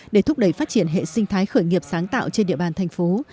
để thúc đẩy phát triển hệ sinh thái khởi nghiệp sáng tạo trên địa bàn thành phố